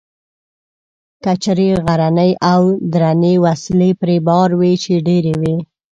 کچرې غرنۍ او درنې وسلې پرې بار وې، چې ډېرې وې.